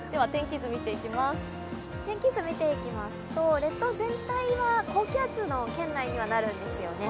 天気図を見ていきますと、列島全体は高気圧の圏内にはなるんですよね。